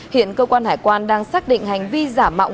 hiện cơ quan hải quan đang xác định hành vi giả mạo nguồn gốc xuất xứ hàng